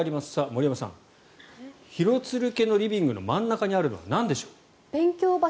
森山さん、廣津留家のリビングの真ん中にあるのはなんでしょう。